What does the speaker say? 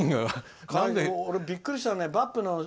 俺、びっくりしたのよ。